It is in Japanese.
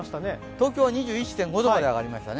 東京は２１．４とまで上がりましたね。